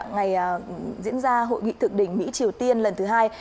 ngày diễn ra hội nghị thượng đỉnh mỹ triều tiên lần thứ hai